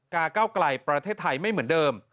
เก้าไกลประเทศไทยไม่เหมือนเดิม